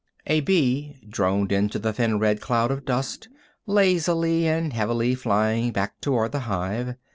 A bee droned into the thin red cloud of dust, lazily and heavily flying back toward the hive.